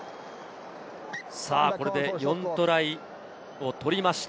これで４トライを取りました。